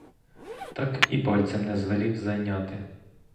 Так і пальцем не звелів зайняти.